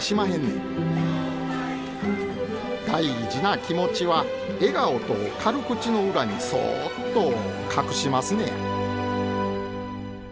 大事な気持ちは笑顔と軽口の裏にそっと隠しますのや。